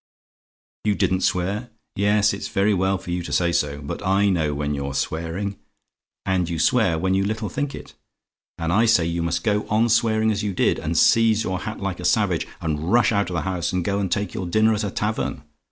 "YOU DIDN'T SWEAR? "Yes; it's very well for you to say so; but I know when you're swearing; and you swear when you little think it; and I say you must go on swearing as you did, and seize your hat like a savage, and rush out of the house, and go and take your dinner at a tavern!